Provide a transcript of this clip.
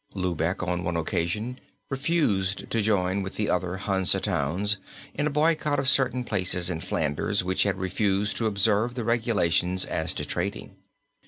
Lübeck on one occasion refused to join with the other Hansa towns in a boycott of certain places in Flanders which had refused to observe the regulations as to trading.